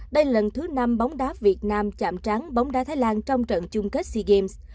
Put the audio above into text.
đây lần thứ năm bóng đá việt nam chạm tráng bóng đá thái lan trong trận chung kết sea games